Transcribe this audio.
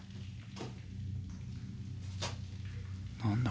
何だ？